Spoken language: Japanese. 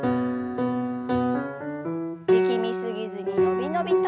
力み過ぎずに伸び伸びと。